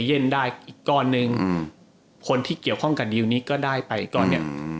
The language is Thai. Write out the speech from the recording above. เย็นได้อีกก้อนหนึ่งคนที่เกี่ยวข้องกับดิวนี้ก็ได้ไปก่อนเนี่ย